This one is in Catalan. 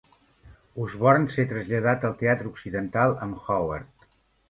Osborn ser traslladat al teatre occidental amb Howard.